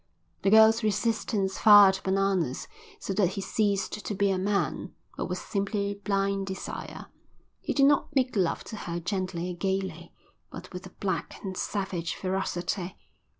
The girl's resistance fired Bananas so that he ceased to be a man, but was simply blind desire. He did not make love to her gently or gaily, but with a black and savage ferocity.